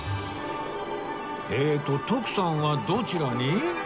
えーっと徳さんはどちらに？